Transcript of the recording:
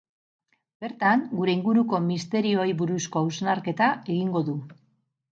Bertan, gure inguruko misterioei buruzko hausnarketa egingo du.